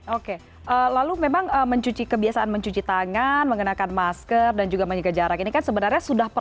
oke lalu memang mencuci kebiasaan mencuci tangan mengenakan masker dan juga menjaga jarak ini kan sebenarnya sudah perlu